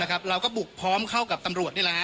นะครับเราก็บุกพร้อมเข้ากับตำรวจนี่แหละฮะ